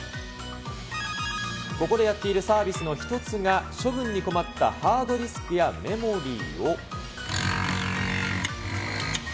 ここでやっているサービスの１つが、処分に困ったハードディスクやメモリーを。